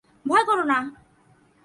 ভয় কোরো না।